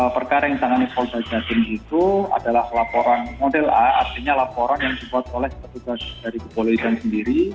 perkara yang ditangani polda jatim itu adalah laporan model a artinya laporan yang dibuat oleh petugas dari kepolisian sendiri